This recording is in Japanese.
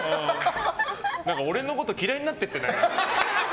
俺のこと嫌いになってきてない？